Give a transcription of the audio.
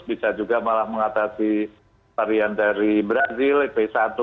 bisa juga malah mengatasi varian dari brazil p satu